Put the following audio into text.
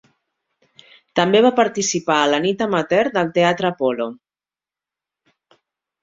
També va participar a la nit amateur del Teatre Apollo.